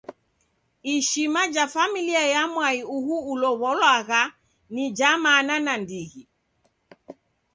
Ishima ja familia ya mwai uhu ulow'olwagha ni ja mana nandighi.